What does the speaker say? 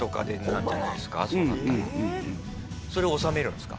それを収めるんですか？